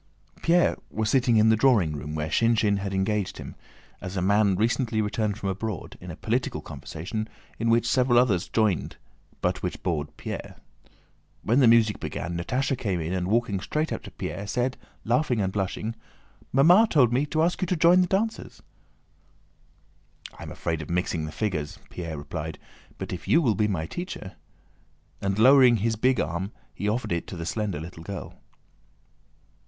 Pierre was sitting in the drawing room where Shinshín had engaged him, as a man recently returned from abroad, in a political conversation in which several others joined but which bored Pierre. When the music began Natásha came in and walking straight up to Pierre said, laughing and blushing: "Mamma told me to ask you to join the dancers." "I am afraid of mixing the figures," Pierre replied; "but if you will be my teacher..." And lowering his big arm he offered it to the slender little girl.